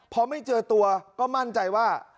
พอไม่เจอตัวก็มั่นใจว่า